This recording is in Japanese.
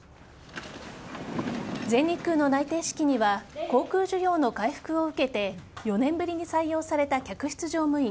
全日空の内定式には航空需要の回復を受けて４年ぶりに採用された客室乗務員